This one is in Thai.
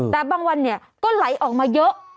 แต่บางวันก็ไหลออกมาเยอะ